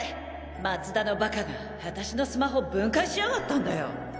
松田のバカが私のスマホ分解しやがったんだよ！